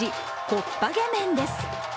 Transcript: こっぱげ面です。